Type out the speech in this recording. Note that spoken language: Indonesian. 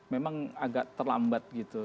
memang agak terlambat gitu